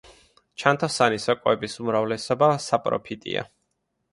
ჩანთოსანი სოკოების უმრავლესობა საპროფიტია.